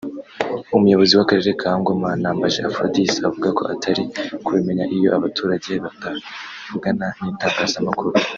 umuyobozi w’ akarere ka Ngoma Nambaje Aphrodis avuga ko atari kubimenya iyo abaturage batavugana n’itangazamakuru